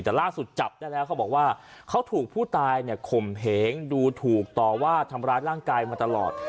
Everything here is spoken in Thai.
แต่ล่าสุดจับได้แล้วเขาบอกว่าเขาถูกผู้ตายเนี่ยข่มเหงดูถูกต่อว่าทำร้ายร่างกายมาตลอด